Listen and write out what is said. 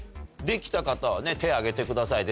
できた方はね手挙げてください。